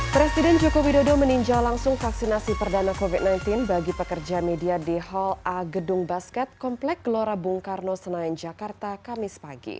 presiden joko widodo meninjau langsung vaksinasi perdana covid sembilan belas bagi pekerja media di hall a gedung basket komplek gelora bung karno senayan jakarta kamis pagi